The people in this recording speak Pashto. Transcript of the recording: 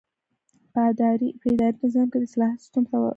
په اداري نظام کې د اصلاحاتو سیسټم واضح شوی دی.